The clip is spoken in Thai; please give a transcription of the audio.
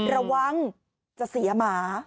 ระวังจะเสียหมา